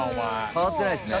変わってないですね。